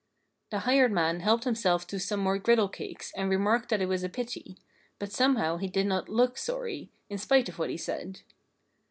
The hired man helped himself to some more griddle cakes and remarked that it was a pity. But somehow he did not look sorry, in spite of what he said.